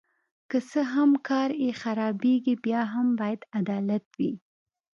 که څه هم کار یې خرابیږي بیا هم باید عدالت وي.